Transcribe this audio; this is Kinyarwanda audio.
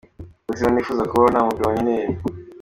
Ubuzima nifuza kubaho nta mugabo nkeneye’.